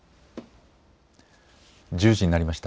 １０時になりました。